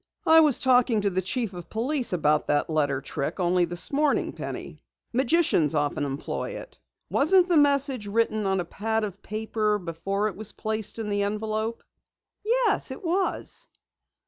"I was talking to the Chief of Police about that letter trick only this morning, Penny. Magicians often employ it. Wasn't the message written on a pad of paper before it was placed in the envelope?" "Yes, it was."